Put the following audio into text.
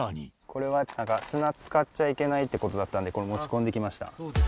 これは砂塚っちゃいけないってことだったんで、これ、持ち込んできました。